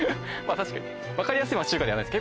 確かに分かりやすい町中華ではないです